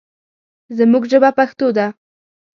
زموږ ژبه پښتو ده.